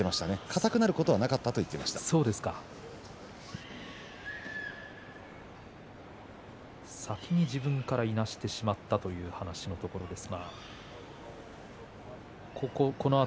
硬くなることはなかったと言って先に自分からいなしてしまったという話のところです。